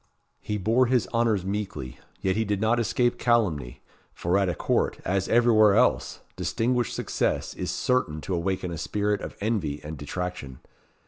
He bore his honours meekly, yet he did not escape calumny; for at a court, as everywhere else, distinguished success is certain to awaken a spirit of envy and detraction.